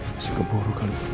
masih keburu kali